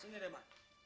sini deh ma